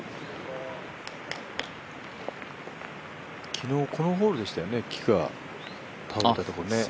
昨日このホールでしたよね、木が倒れたところね。